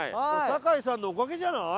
酒井さんのおかげじゃない？